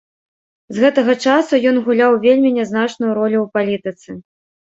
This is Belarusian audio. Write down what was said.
З гэтага часу ён гуляў вельмі нязначную ролю ў палітыцы.